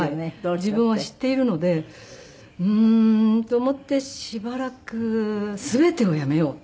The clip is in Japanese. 自分は知っているのでうーんと思ってしばらく全てをやめようってなっちゃったんです。